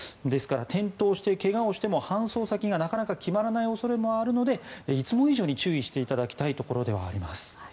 ですから転倒してけがをしても搬送先がなかなか決まらない恐れがあるのでいつも以上に注意していただきたいところではあります。